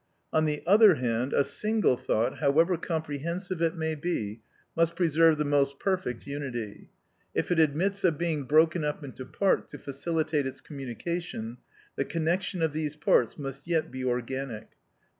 On the other hand, a single thought, however comprehensive it may be, must preserve the most perfect unity. If it admits of being broken up into parts to facilitate its communication, the connection of these parts must yet be organic, _i.